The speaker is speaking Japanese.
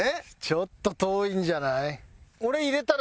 ちょっと遠いんじゃない？